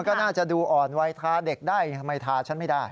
ก็น่าจะดูอ่อนไวทาเด็กได้ทำไมทาฉันไม่ได้